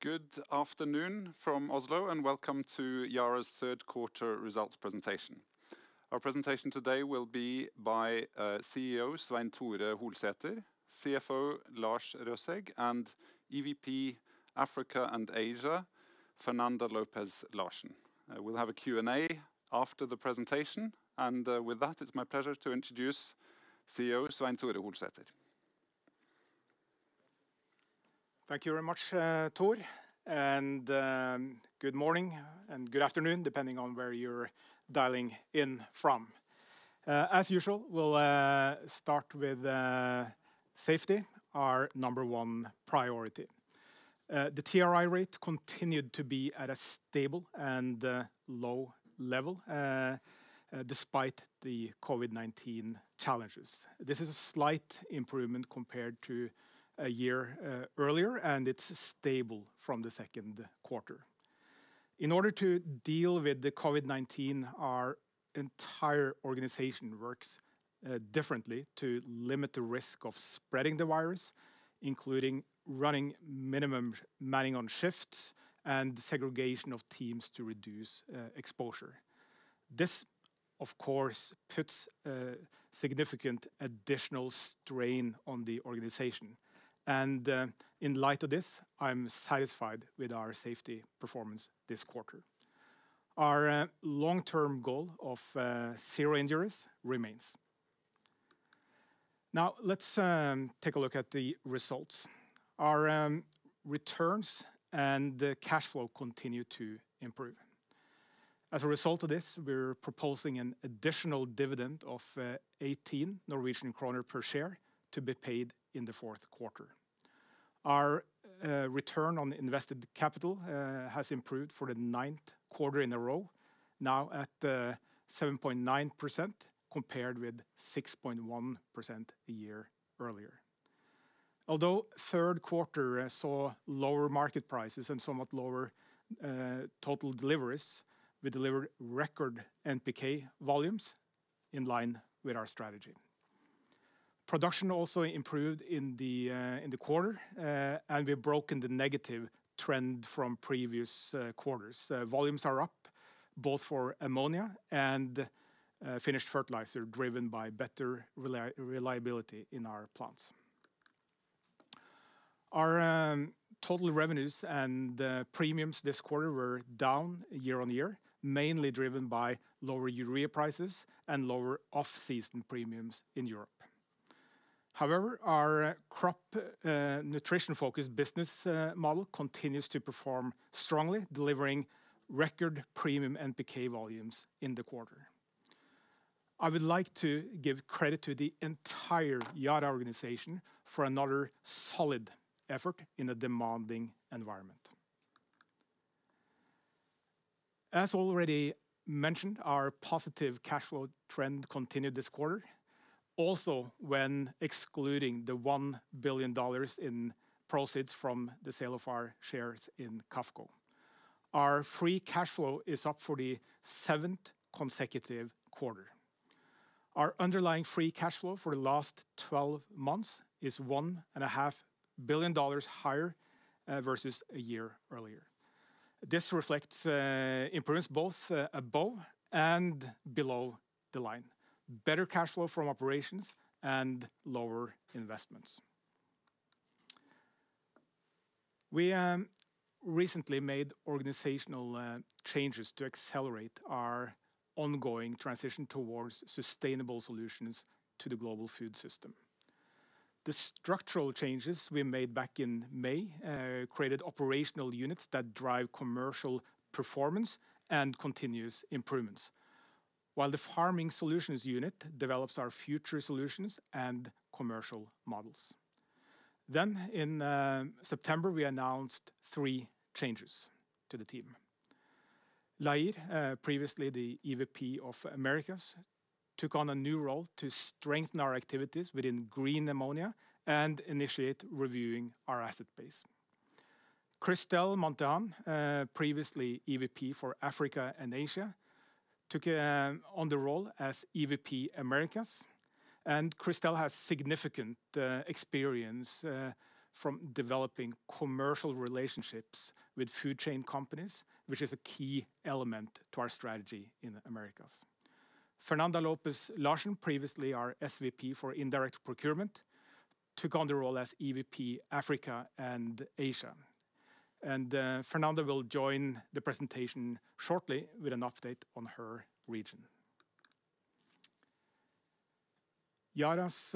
Good afternoon from Oslo, and welcome to Yara's third quarter results presentation. Our presentation today will be by CEO Svein Tore Holsether, CFO Lars Røsæg, and EVP Africa and Asia, Fernanda Lopes Larsen. We'll have a Q&A after the presentation. With that, it's my pleasure to introduce CEO Svein Tore Holsether. Thank you very much, Thor, good morning and good afternoon, depending on where you're dialing in from. As usual, we'll start with safety, our number one priority. The TRI rate continued to be at a stable and low level despite the COVID-19 challenges. This is a slight improvement compared to a year earlier, it's stable from the second quarter. In order to deal with the COVID-19, our entire organization works differently to limit the risk of spreading the virus, including running minimum manning on shifts and segregation of teams to reduce exposure. This, of course, puts a significant additional strain on the organization. In light of this, I'm satisfied with our safety performance this quarter. Our long-term goal of zero injuries remains. Let's take a look at the results. Our returns and cash flow continue to improve. As a result of this, we're proposing an additional dividend of 18 Norwegian kroner per share to be paid in the fourth quarter. Our return on invested capital has improved for the ninth quarter in a row, now at 7.9%, compared with 6.1% a year earlier. Although the third quarter saw lower market prices and somewhat lower total deliveries, we delivered record NPK volumes in line with our strategy. Production also improved in the quarter, we've broken the negative trend from previous quarters. Volumes are up both for ammonia and finished fertilizer, driven by better reliability in our plants. Our total revenues and premiums this quarter were down year-on-year, mainly driven by lower urea prices and lower off-season premiums in Europe. However, our crop nutrition-focused business model continues to perform strongly, delivering record premium NPK volumes in the quarter. I would like to give credit to the entire Yara organization for another solid effort in a demanding environment. As already mentioned, our positive cash flow trend continued this quarter, also when excluding the $1 billion in proceeds from the sale of our shares in QAFCO. Our free cash flow is up for the seventh consecutive quarter. Our underlying free cash flow for the last 12 months is $1.5 billion higher versus a year earlier. This reflects improvements both above and below the line, better cash flow from operations, and lower investments. We recently made organizational changes to accelerate our ongoing transition towards sustainable solutions to the global food system. The structural changes we made back in May created operational units that drive commercial performance and continuous improvements, while the Farming Solutions unit develops our future solutions and commercial models. In September, we announced three changes to the team. Lair, previously the EVP of Americas, took on a new role to strengthen our activities within green ammonia and initiate reviewing our asset base. Chrystel Monthean, previously EVP for Africa and Asia, took on the role as EVP Americas. Chrystel has significant experience from developing commercial relationships with food chain companies, which is a key element to our strategy in the Americas. Fernanda Lopes Larsen, previously our SVP for Indirect Procurement, took on the role as EVP Africa and Asia. Fernanda will join the presentation shortly with an update on her region. Yara's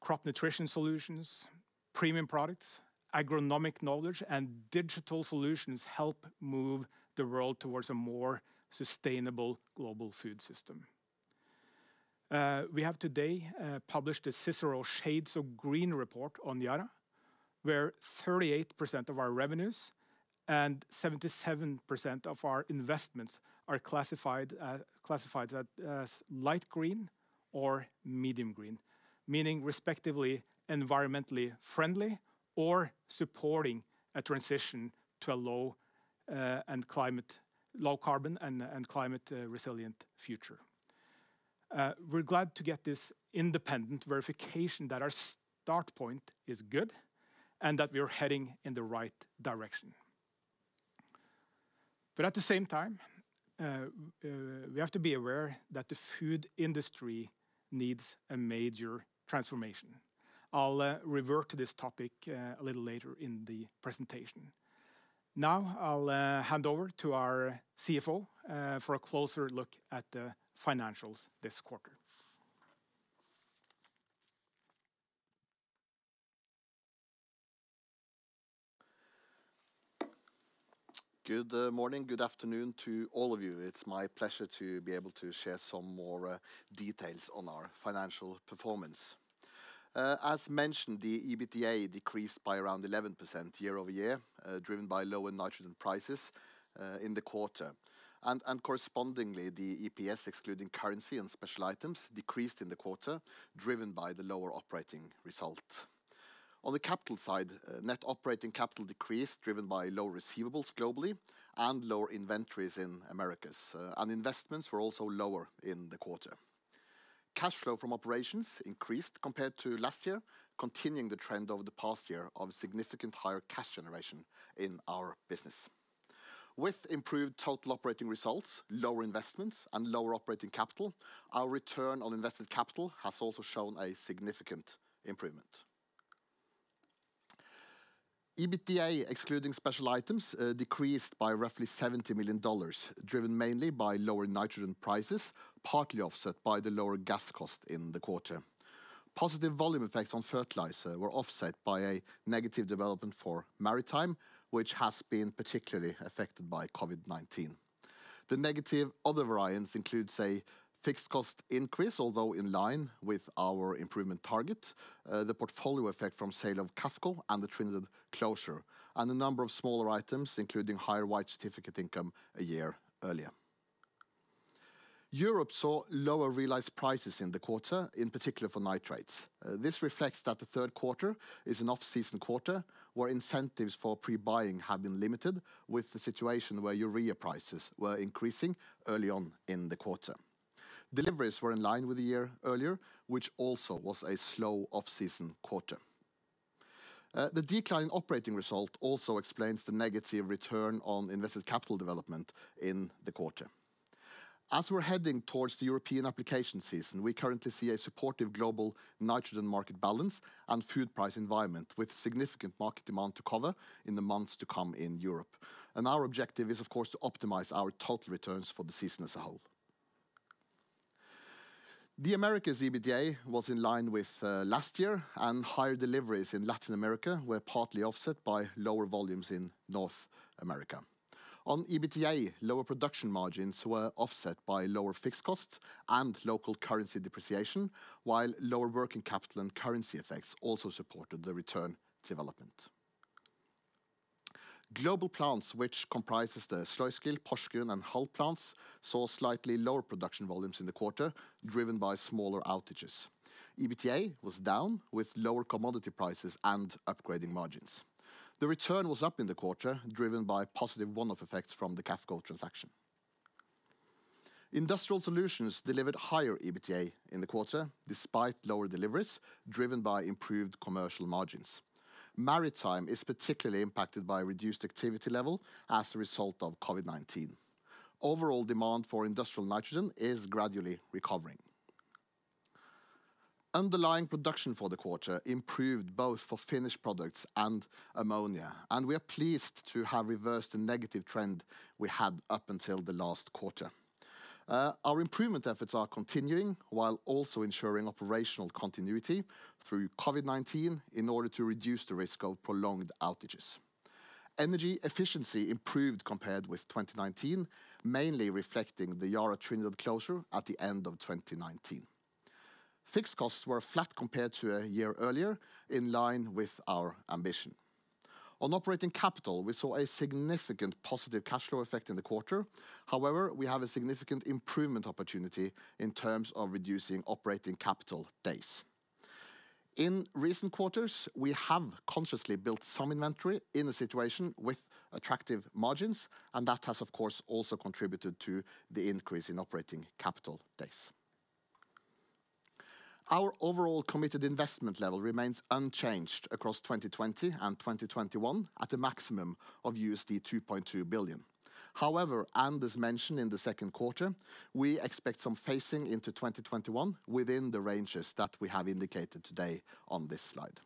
crop nutrition solutions, premium products, agronomic knowledge, and digital solutions help move the world towards a more sustainable global food system. We have today published a CICERO Shades of Green report on Yara, where 38% of our revenues and 77% of our investments are classified as light green or medium green, meaning respectively environmentally friendly or supporting a transition to a low carbon and climate resilient future. We're glad to get this independent verification that our start point is good and that we are heading in the right direction. At the same time, we have to be aware that the food industry needs a major transformation. I'll revert to this topic a little later in the presentation. I'll hand over to our CFO for a closer look at the financials this quarter. Good morning. Good afternoon to all of you. It's my pleasure to be able to share some more details on our financial performance. As mentioned, the EBITDA decreased by around 11% year-over-year, driven by lower nitrogen prices in the quarter. Correspondingly, the EPS excluding currency and special items decreased in the quarter, driven by the lower operating result. On the capital side, net operating capital decreased, driven by low receivables globally and lower inventories in Americas. Investments were also lower in the quarter. Cash flow from operations increased compared to last year, continuing the trend over the past year of significant higher cash generation in our business. With improved total operating results, lower investments, and lower operating capital, our return on invested capital has also shown a significant improvement. EBITDA, excluding special items, decreased by roughly $70 million, driven mainly by lower nitrogen prices, partly offset by the lower gas cost in the quarter. Positive volume effects on fertilizer were offset by a negative development for Maritime, which has been particularly affected by COVID-19. The negative other variance includes a fixed cost increase, although in line with our improvement target, the portfolio effect from sale of QAFCO and the Trinidad closure, and a number of smaller items, including higher white certificate income a year earlier. Europe saw lower realized prices in the quarter, in particular for nitrates. This reflects that the third quarter is an off-season quarter, where incentives for pre-buying have been limited, with the situation where urea prices were increasing early on in the quarter. Deliveries were in line with the year earlier, which also was a slow off-season quarter. The decline in operating result also explains the negative return on invested capital development in the quarter. As we're heading towards the European application season, we currently see a supportive global nitrogen market balance and food price environment, with significant market demand to cover in the months to come in Europe. Our objective is, of course, to optimize our total returns for the season as a whole. The Americas' EBITDA was in line with last year, and higher deliveries in Latin America were partly offset by lower volumes in North America. On EBITDA, lower production margins were offset by lower fixed costs and local currency depreciation, while lower working capital and currency effects also supported the return development. Global Plants, which comprises the Sluiskil, Porsgrunn, and Hull plants, saw slightly lower production volumes in the quarter, driven by smaller outages. EBITDA was down with lower commodity prices and upgrading margins. The return was up in the quarter, driven by positive one-off effects from the QAFCO transaction. Industrial Solutions delivered higher EBITDA in the quarter despite lower deliveries, driven by improved commercial margins. Maritime is particularly impacted by a reduced activity level as a result of COVID-19. Overall demand for industrial nitrogen is gradually recovering. Underlying production for the quarter improved both for finished products and ammonia, and we are pleased to have reversed the negative trend we had up until the last quarter. Our improvement efforts are continuing, while also ensuring operational continuity through COVID-19, in order to reduce the risk of prolonged outages. Energy efficiency improved compared with 2019, mainly reflecting the Yara Trinidad closure at the end of 2019. Fixed costs were flat compared to a year earlier, in line with our ambition. On operating capital, we saw a significant positive cash flow effect in the quarter. However, we have a significant improvement opportunity in terms of reducing operating capital days. In recent quarters, we have consciously built some inventory in a situation with attractive margins, that has, of course, also contributed to the increase in operating capital days. Our overall committed investment level remains unchanged across 2020 and 2021 at a maximum of $2.2 billion. However, as mentioned in the second quarter, we expect some phasing into 2021 within the ranges that we have indicated today on this slide.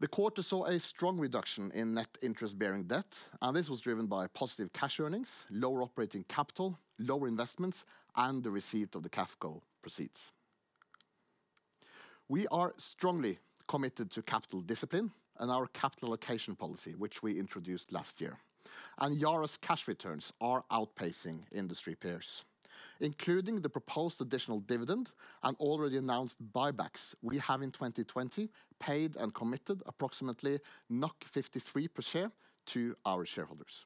The quarter saw a strong reduction in net interest-bearing debt, this was driven by positive cash earnings, lower operating capital, lower investments, and the receipt of the QAFCO proceeds. We are strongly committed to capital discipline and our capital allocation policy, which we introduced last year. Yara's cash returns are outpacing industry peers. Including the proposed additional dividend and already announced buybacks, we have in 2020 paid and committed approximately 53 per share to our shareholders.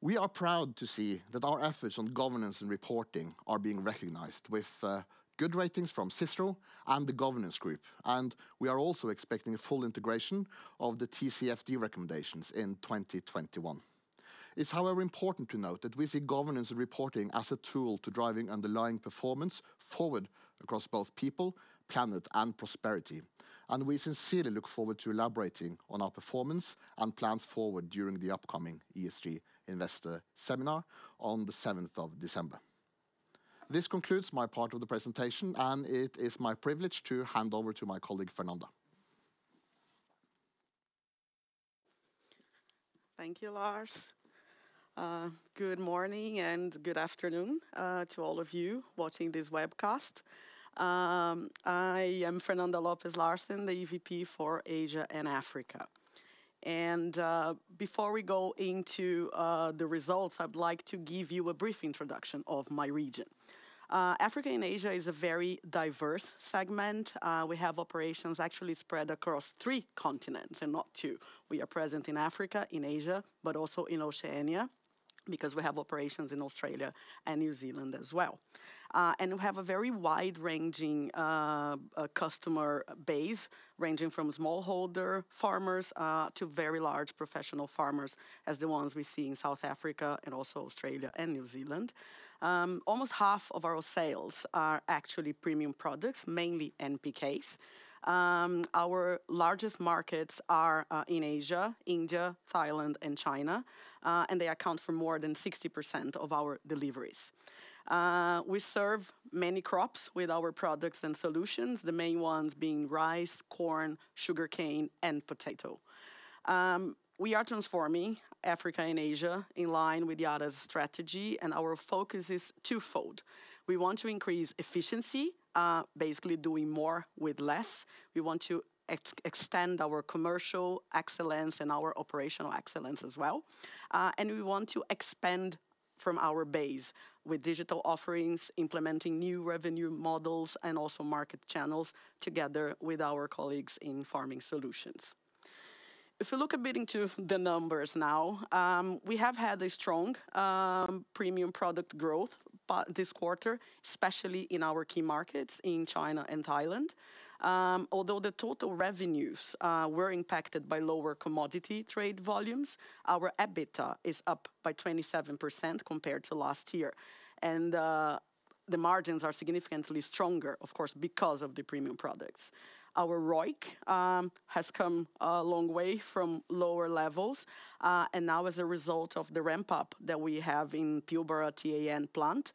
We are proud to see that our efforts on governance and reporting are being recognized with good ratings from CICERO and The Governance Group, we are also expecting full integration of the TCFD recommendations in 2021. It's however important to note that we see governance reporting as a tool to driving underlying performance forward across both people, planet, and prosperity, and we sincerely look forward to elaborating on our performance and plans forward during the upcoming ESG Investor Seminar on the 7th of December. This concludes my part of the presentation, and it is my privilege to hand over to my colleague, Fernanda. Thank you, Lars. Good morning and good afternoon to all of you watching this webcast. I am Fernanda Lopes Larsen, the EVP for Asia and Africa. Before we go into the results, I'd like to give you a brief introduction of my region. Africa and Asia is a very diverse segment. We have operations actually spread across three continents and not two. We are present in Africa, in Asia, but also in Oceania because we have operations in Australia and New Zealand as well. We have a very wide-ranging customer base, ranging from smallholder farmers to very large professional farmers, as the ones we see in South Africa and also Australia and New Zealand. Almost half of our sales are actually premium products, mainly NPKs. Our largest markets are in Asia, India, Thailand, and China, and they account for more than 60% of our deliveries. We serve many crops with our products and solutions, the main ones being rice, corn, sugarcane, and potato. We are transforming Africa and Asia in line with Yara's strategy. Our focus is twofold. We want to increase efficiency, basically doing more with less. We want to extend our commercial excellence and our operational excellence as well. We want to expand from our base with digital offerings, implementing new revenue models and also market channels together with our colleagues in Farming Solutions. If you look a bit into the numbers now, we have had a strong premium product growth this quarter, especially in our key markets in China and Thailand. Although the total revenues were impacted by lower commodity trade volumes, our EBITDA is up by 27% compared to last year. The margins are significantly stronger, of course, because of the premium products. Our ROIC has come a long way from lower levels. Now as a result of the ramp-up that we have in Pilbara TAN plant,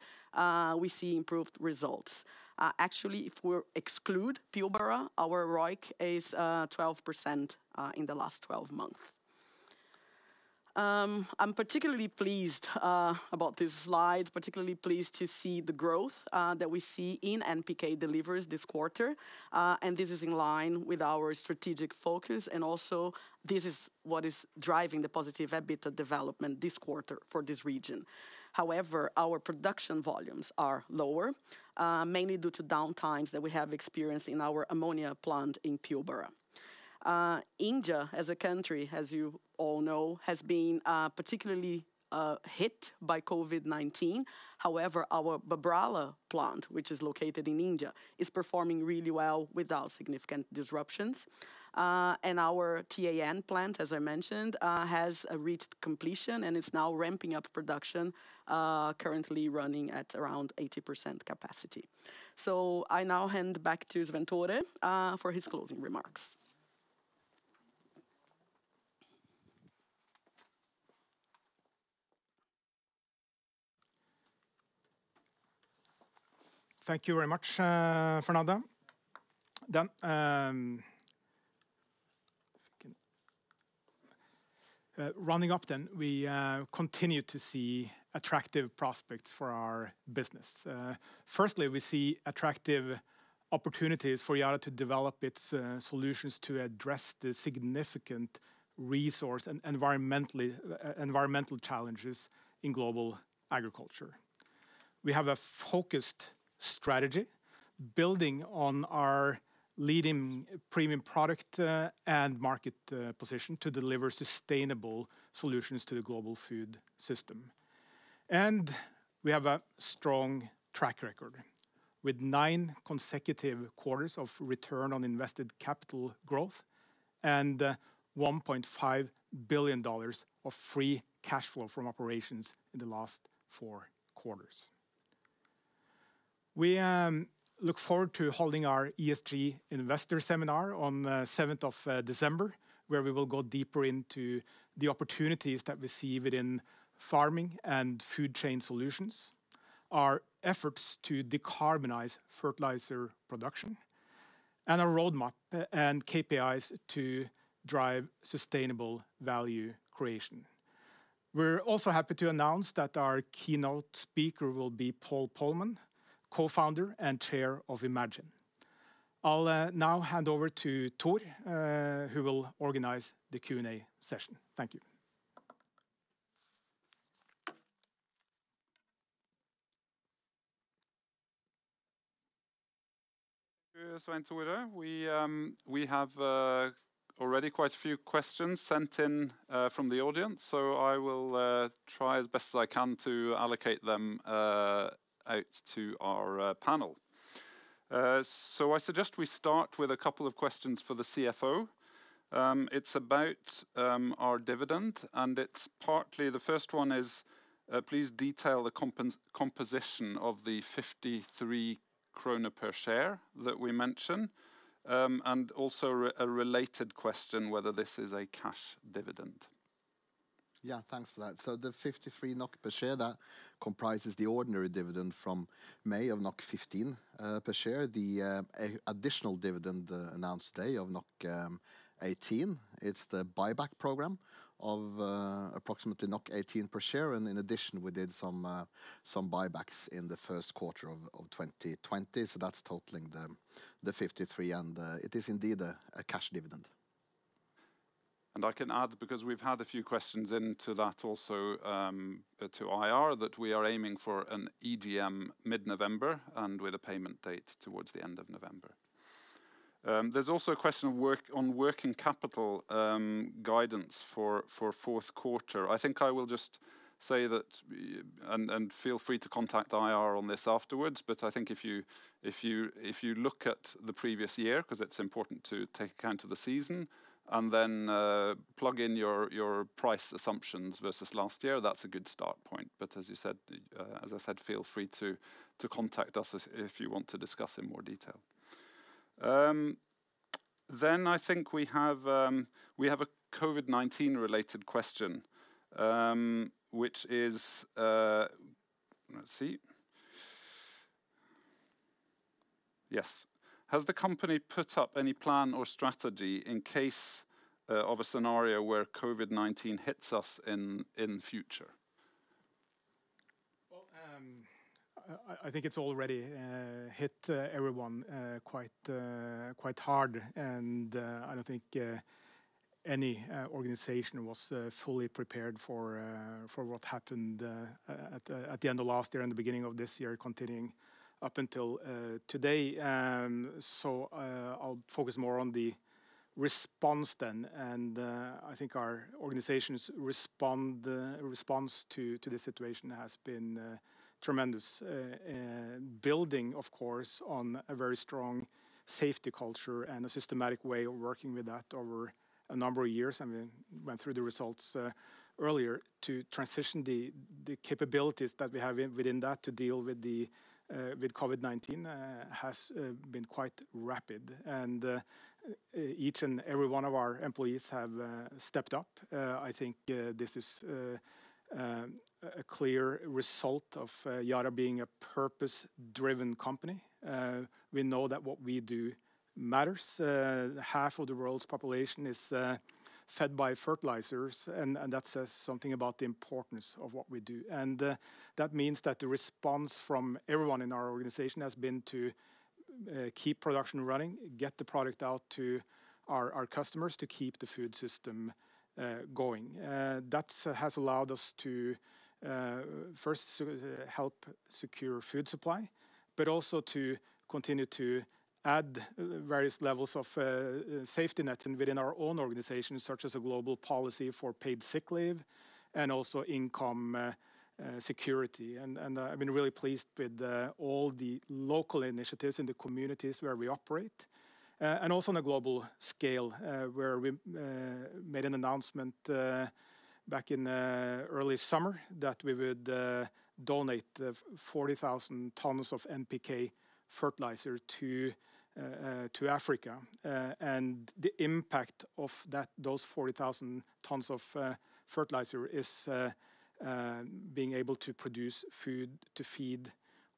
we see improved results. Actually, if we exclude Pilbara, our ROIC is 12% in the last 12 months. I'm particularly pleased about this slide, particularly pleased to see the growth that we see in NPK deliveries this quarter. This is in line with our strategic focus, and also this is what is driving the positive EBITDA development this quarter for this region. However, our production volumes are lower, mainly due to downtimes that we have experienced in our ammonia plant in Pilbara. India, as a country, as you all know, has been particularly hit by COVID-19. However, our Babrala plant, which is located in India, is performing really well without significant disruptions. Our TAN plant, as I mentioned, has reached completion and is now ramping up production, currently running at around 80% capacity. I now hand back to Svein Tore for his closing remarks. Thank you very much, Fernanda. Rounding up, we continue to see attractive prospects for our business. Firstly, we see attractive opportunities for Yara to develop its solutions to address the significant resource and environmental challenges in global agriculture. We have a focused strategy building on our leading premium product and market position to deliver sustainable solutions to the global food system. We have a strong track record with nine consecutive quarters of return on invested capital growth and $1.5 billion of free cash flow from operations in the last four quarters. We look forward to holding our ESG Investor Seminar on the 7th of December, where we will go deeper into the opportunities that we see within farming and food chain solutions, our efforts to decarbonize fertilizer production, and our roadmap and KPIs to drive sustainable value creation. We're also happy to announce that our keynote speaker will be Paul Polman, Co-founder and Chair of IMAGINE. I'll now hand over to Thor, who will organize the Q&A session. Thank you. Thank you, Svein Tore. We have already quite a few questions sent in from the audience, I will try as best as I can to allocate them out to our panel. I suggest we start with a couple of questions for the CFO. It's about our dividend, and the first one is, please detail the composition of the 53 krone per share that we mentioned, and also a related question, whether this is a cash dividend? Yeah, thanks for that. The 53 NOK per share comprises the ordinary dividend from May of 15 per share, the additional dividend announced today of 18. It's the buyback program of approximately 18 per share, and in addition, we did some buybacks in the first quarter of 2020. That's totaling the 53, and it is indeed a cash dividend. I can add, because we've had a few questions into that also to IR, that we are aiming for an EGM mid-November, and with a payment date towards the end of November. There's also a question on working capital guidance for fourth quarter. I think I will just say that, and feel free to contact IR on this afterwards, but I think if you look at the previous year, because it's important to take account of the season, and then plug in your price assumptions versus last year, that's a good start point. As I said, feel free to contact us if you want to discuss in more detail. I think we have a COVID-19 related question. Yes. Has the company put up any plan or strategy in case of a scenario where COVID-19 hits us in the future? I think it's already hit everyone quite hard, and I don't think any organization was fully prepared for what happened at the end of last year and the beginning of this year, continuing up until today. I'll focus more on the response then. I think our organization's response to this situation has been tremendous. Building, of course, on a very strong safety culture and a systematic way of working with that over a number of years, and we went through the results earlier to transition the capabilities that we have within that to deal with COVID-19 has been quite rapid. Each and every one of our employees have stepped up. I think this is a clear result of Yara being a purpose-driven company. We know that what we do matters. Half of the world's population is fed by fertilizers, that says something about the importance of what we do. That means that the response from everyone in our organization has been to keep production running, get the product out to our customers, to keep the food system going. That has allowed us to first help secure food supply, but also to continue to add various levels of safety net within our own organization, such as a global policy for paid sick leave and also income security. I've been really pleased with all the local initiatives in the communities where we operate, and also on a global scale, where we made an announcement back in early summer that we would donate 40,000 tons of NPK fertilizer to Africa. The impact of those 40,000 tons of fertilizer is being able to produce food to feed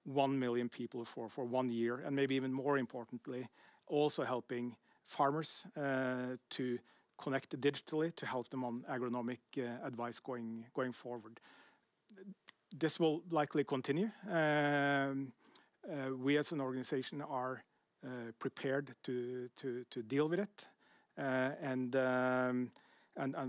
1 million people for one year, and maybe even more importantly, also helping farmers to connect digitally to help them on agronomic advice going forward. This will likely continue. We, as an organization, are prepared to deal with it, and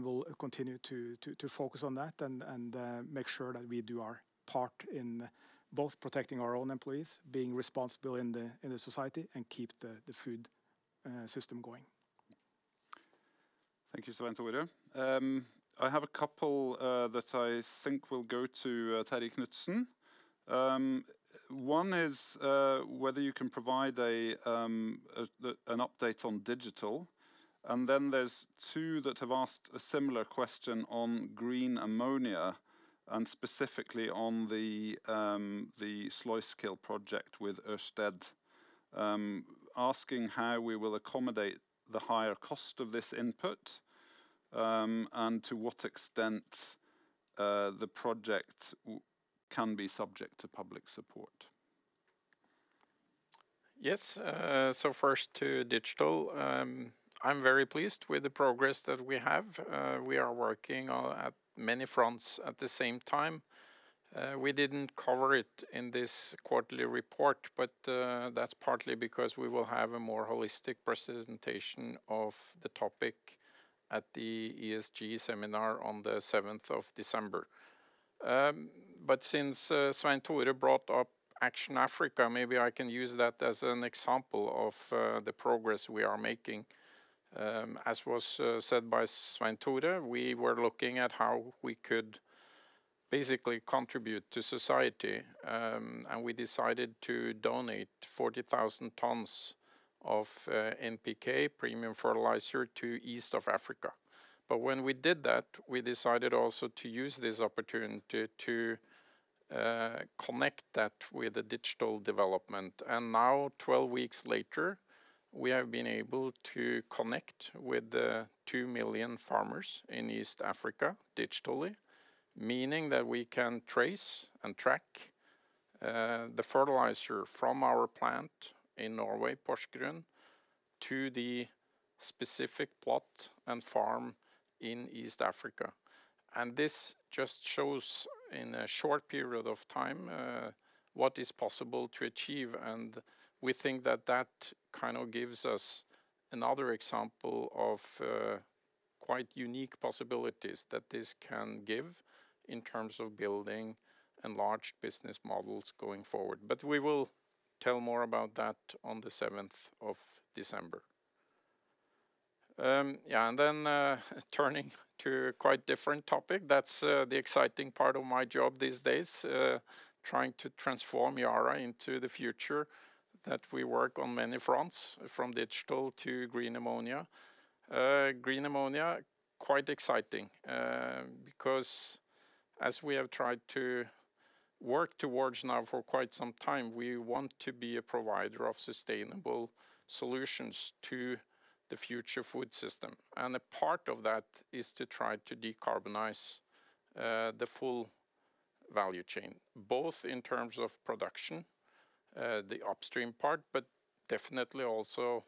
will continue to focus on that and make sure that we do our part in both protecting our own employees, being responsible in the society, and keep the food system going. Thank you, Svein Tore. I have a couple that I think will go to Terje Knutsen. One is whether you can provide an update on digital, and then there's two that have asked a similar question on green ammonia, and specifically on the Sluiskil project with Ørsted, asking how we will accommodate the higher cost of this input, and to what extent the project can be subject to public support? Yes. First to digital. I'm very pleased with the progress that we have. We are working at many fronts at the same time. We didn't cover it in this quarterly report, but that's partly because we will have a more holistic presentation of the topic at the ESG Investor Seminar on the 7th of December. But since Svein Tore brought up Action Africa, maybe I can use that as an example of the progress we are making. As was said by Svein Tore, we were looking at how we could basically contribute to society, and we decided to donate 40,000 tons of NPK premium fertilizer to East Africa. But when we did that, we decided also to use this opportunity to connect that with the digital development. Now, 12 weeks later, we have been able to connect with the 2 million farmers in East Africa digitally, meaning that we can trace and track the fertilizer from our plant in Norway, Porsgrunn, to the specific plot and farm in East Africa. This just shows in a short period of time what is possible to achieve. We think that that gives us another example of quite unique possibilities that this can give in terms of building enlarged business models going forward. We will tell more about that on the 7th of December. Turning to a quite different topic that's the exciting part of my job these days, trying to transform Yara into the future, that we work on many fronts, from digital to green ammonia. Green ammonia, quite exciting, because as we have tried to work towards now for quite some time, we want to be a provider of sustainable solutions to the future food system. A part of that is to try to decarbonize the full value chain, both in terms of production, the upstream part, but definitely also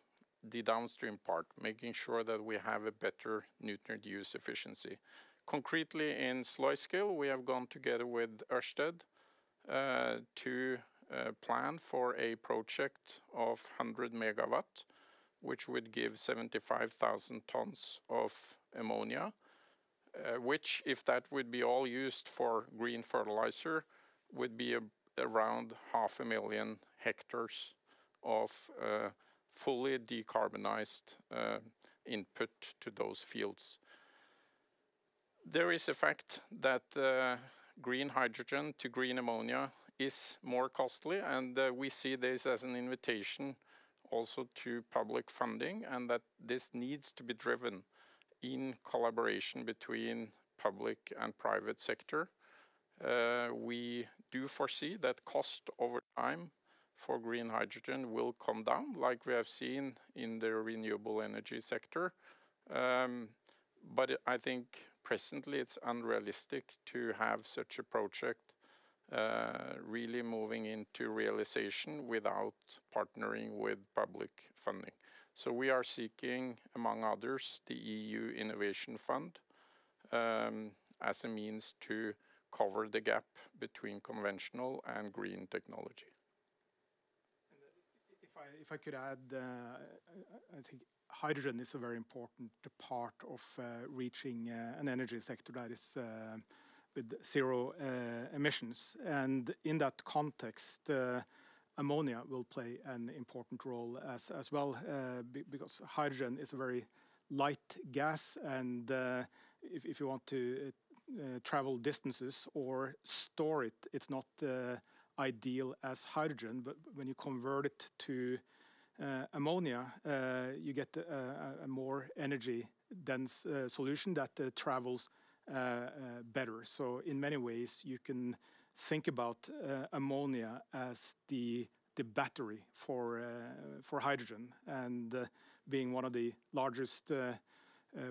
the downstream part, making sure that we have a better nutrient use efficiency. Concretely in Sluiskil, we have gone together with Ørsted to plan for a project of 100 MW, which would give 75,000 tons of ammonia, which if that would be all used for green fertilizer, would be around 500,000 hectares of fully decarbonized input to those fields. There is a fact that green hydrogen to green ammonia is more costly, and we see this as an invitation also to public funding, and that this needs to be driven in collaboration between public and private sector. We do foresee that cost over time for green hydrogen will come down like we have seen in the renewable energy sector. I think presently it's unrealistic to have such a project really moving into realization without partnering with public funding. We are seeking, among others, the EU Innovation Fund, as a means to cover the gap between conventional and green technology. If I could add, I think hydrogen is a very important part of reaching an energy sector that is with zero emissions. In that context, ammonia will play an important role as well, because hydrogen is a very light gas and if you want to travel distances or store it is not ideal as hydrogen. When you convert it to ammonia, you get a more energy dense solution that travels better. In many ways you can think about ammonia as the battery for hydrogen and being one of the largest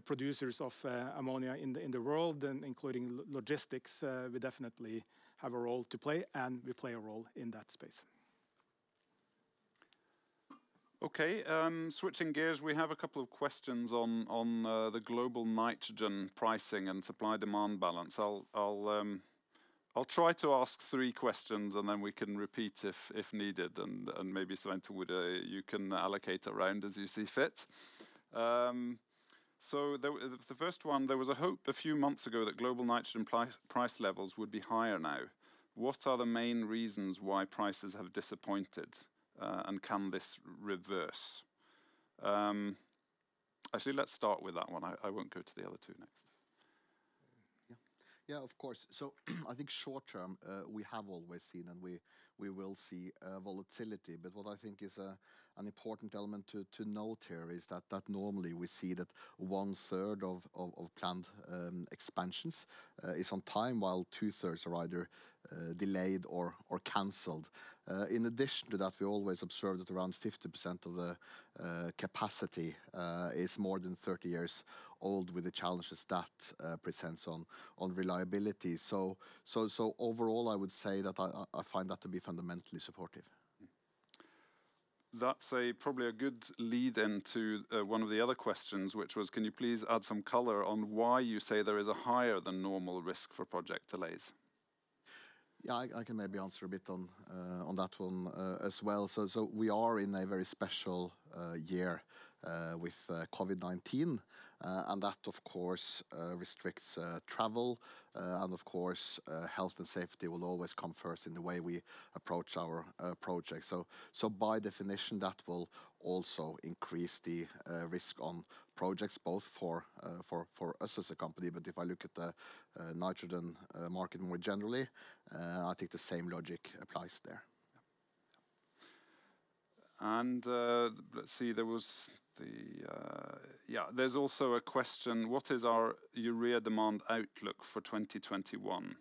producers of ammonia in the world, and including logistics, we definitely have a role to play, and we play a role in that space. Okay, switching gears, we have a couple of questions on the global nitrogen pricing and supply-demand balance. I'll try to ask three questions and then we can repeat if needed and maybe, Svein Tore, you can allocate around as you see fit. The first one, there was a hope a few months ago that global nitrogen price levels would be higher now. What are the main reasons why prices have disappointed? Can this reverse? Actually, let's start with that one. I won't go to the other two next. Yeah, of course. I think short term, we have always seen, and we will see volatility. What I think is an important element to note here is that normally we see that 1/3 of planned expansions is on time while 2/3 are either delayed or canceled. In addition to that, we always observe that around 50% of the capacity is more than 30 years old with the challenges that presents on reliability. Overall, I would say that I find that to be fundamentally supportive. That's probably a good lead into one of the other questions, which was can you please add some color on why you say there is a higher than normal risk for project delays? Yeah, I can maybe answer a bit on that one as well. We are in a very special year with COVID-19, and that of course restricts travel. Of course, health and safety will always come first in the way we approach our projects. By definition that will also increase the risk on projects both for us as a company, but if I look at the nitrogen market more generally, I think the same logic applies there. Let's see. There's also a question: what is our urea demand outlook for 2021?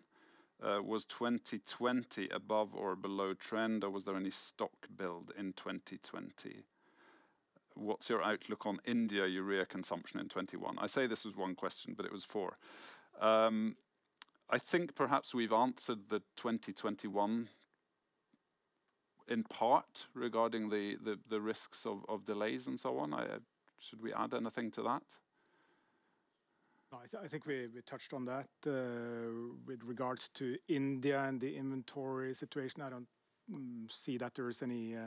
Was 2020 above or below trend, or was there any stock build in 2020? What's your outlook on India urea consumption in 2021? I say this is one question, but it was four. I think perhaps we've answered the 2021 in part regarding the risks of delays and so on. Should we add anything to that? I think we touched on that. With regards to India and the inventory situation, I don't see that there's been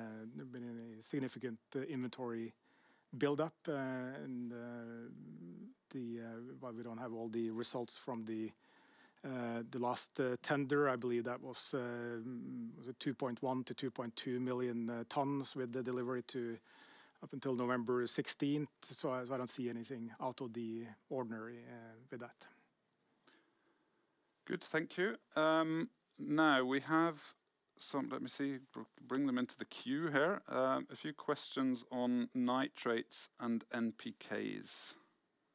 any significant inventory buildup. While we don't have all the results from the last tender, I believe that was 2.1 million-2.2 million tons with the delivery up until November 16th. I don't see anything out of the ordinary with that. Good. Thank you. Let me see. Bring them into the queue here. A few questions on nitrates and NPKs.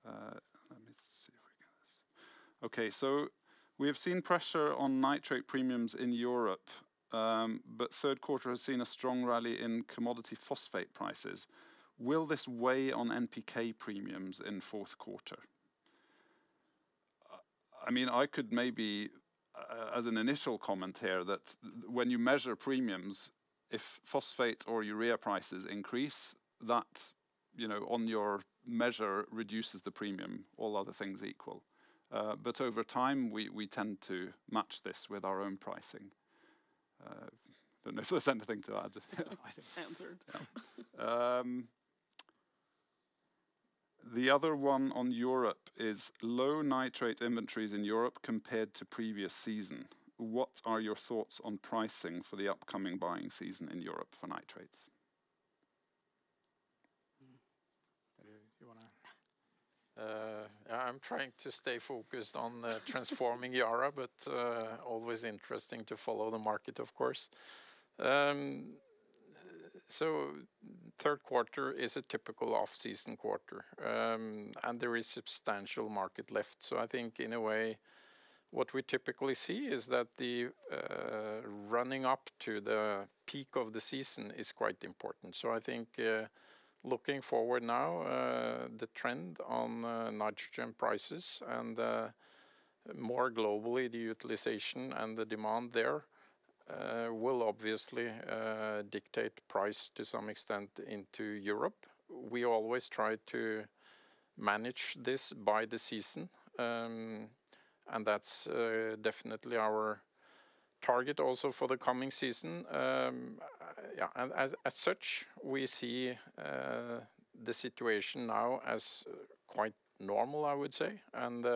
Let me see if we get this. Okay. We have seen pressure on nitrate premiums in Europe, but third quarter has seen a strong rally in commodity phosphate prices. Will this weigh on NPK premiums in fourth quarter? I could maybe, as an initial comment here, that when you measure premiums, if phosphate or urea prices increase, that on your measure reduces the premium, all other things equal. Over time, we tend to match this with our own pricing. Don't know if there's anything to add. I think answered. The other one on Europe is low nitrate inventories in Europe compared to previous season. What are your thoughts on pricing for the upcoming buying season in Europe for nitrates? You want to? I'm trying to stay focused on transforming Yara, always interesting to follow the market, of course. Third quarter is a typical off-season quarter, and there is substantial market left. I think in a way, what we typically see is that the running up to the peak of the season is quite important. I think looking forward now, the trend on nitrogen prices and more globally, the utilization and the demand there will obviously dictate price to some extent into Europe. We always try to manage this by the season, and that's definitely our target also for the coming season. Yeah. As such, we see the situation now as quite normal, I would say, and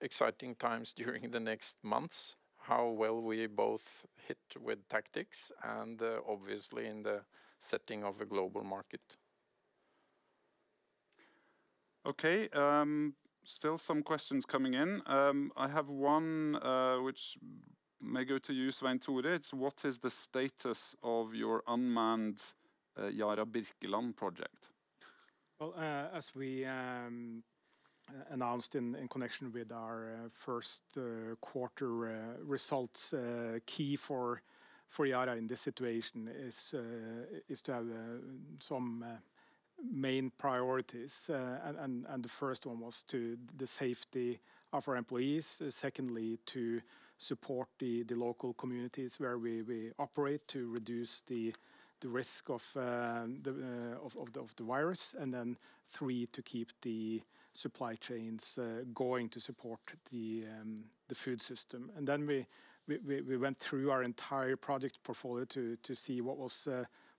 exciting times during the next months, how well we both hit with tactics and obviously in the setting of a global market. Okay. Still some questions coming in. I have one which may go to you, Svein Tore. It's what is the status of your unmanned Yara Birkeland project? As we announced in connection with our first quarter results, key for Yara in this situation is to have some main priorities. The first one was the safety of our employees. Secondly, to support the local communities where we operate to reduce the risk of the virus. Three, to keep the supply chains going to support the food system. We went through our entire project portfolio to see what was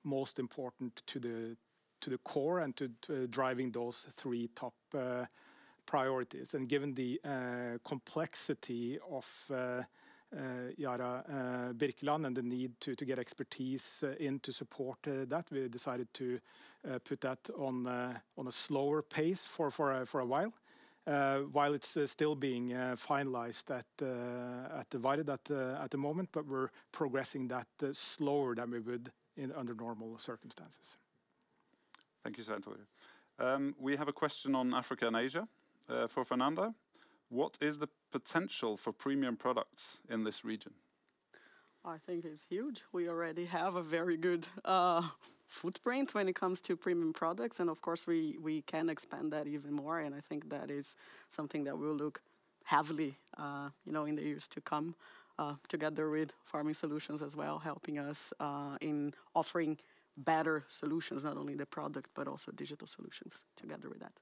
most important to the core and to driving those three top priorities. Given the complexity of Yara Birkeland and the need to get expertise in to support that, we decided to put that on a slower pace for a while. While it's still being finalized at the moment, we're progressing that slower than we would under normal circumstances. Thank you, Svein Tore. We have a question on Africa and Asia for Fernanda. What is the potential for premium products in this region? I think it is huge. We already have a very good footprint when it comes to premium products, and of course, we can expand that even more. I think that is something that will look heavily in the years to come, together with Farming Solutions as well, helping us in offering better solutions, not only the product, but also digital solutions together with that.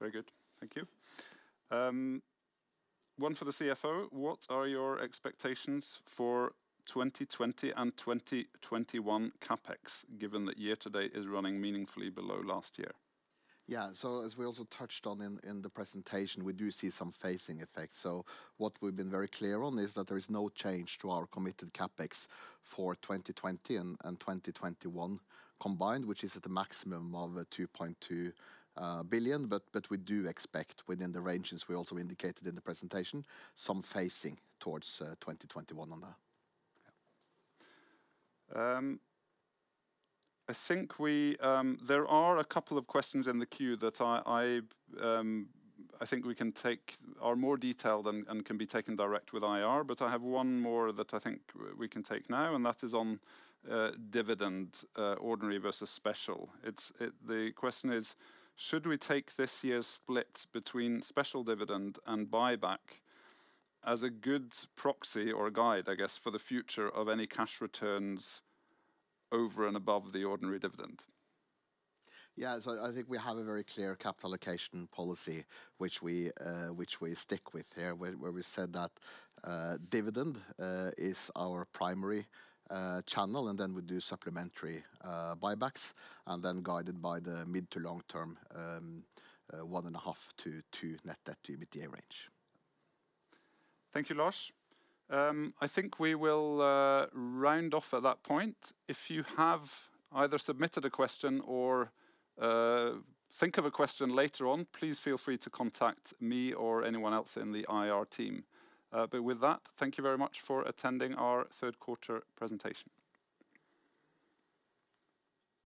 Very good. Thank you. One for the CFO. What are your expectations for 2020 and 2021 CapEx, given that year-to-date is running meaningfully below last year? As we also touched on in the presentation, we do see some phasing effects. What we've been very clear on is that there is no change to our committed CapEx for 2020 and 2021 combined, which is at a maximum of $2.2 billion. But we do expect within the ranges we also indicated in the presentation, some phasing towards 2021 on that. Yeah. There are a couple of questions in the queue that I think are more detailed and can be taken direct with IR, but I have one more that I think we can take now, and that is on dividend ordinary versus special. The question is, should we take this year's split between special dividend and buyback as a good proxy or a guide, I guess, for the future of any cash returns over and above the ordinary dividend? I think we have a very clear capital allocation policy, which we stick with here, where we said that dividend is our primary channel, and then we do supplementary buybacks, and then guided by the mid to long term, 1.5x-2.0x net debt to EBITDA range. Thank you, Lars. I think we will round off at that point. If you have either submitted a question or think of a question later on, please feel free to contact me or anyone else in the IR team. With that, thank you very much for attending our third quarter presentation.